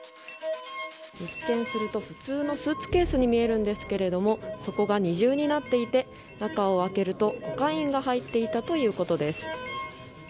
一見すると普通のスーツケースに見えるんですが底が二重になっていて中を開けるとコカインが入っていたということです。